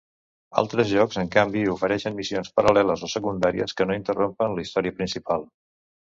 Altres jocs, en canvi, ofereixen missions paral·leles o secundàries que no interrompen la història principal.